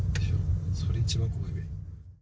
それ一番怖いべ。